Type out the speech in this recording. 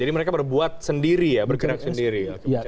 jadi mereka berbuat sendiri ya bergerak sendiri